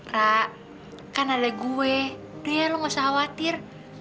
ra kan ada gue dia lo gak usah khawatir